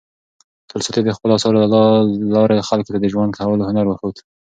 تولستوی د خپلو اثارو له لارې خلکو ته د ژوند کولو هنر وښود.